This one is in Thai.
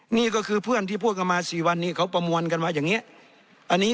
นี่ก็คือเพื่อนที่พูดกันมา๔วันนี้เขาประมวลกันว่าอย่างนี้